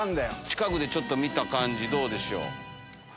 近くで見た感じどうでしょう？